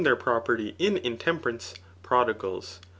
thdr property in intemperance, prodigals.